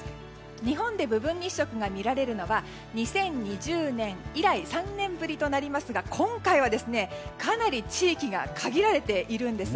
日本で部分日食が見られるのは２０２０年以来３年ぶりとなりますが、今回はかなり地域が限られているんです。